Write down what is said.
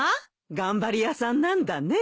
頑張り屋さんなんだね。